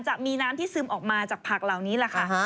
จะมีน้ำที่ซึมออกมาจากผักเหล่านี้แหละค่ะ